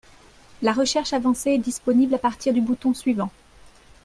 La recherche avancée est disponible à partir du bouton suivant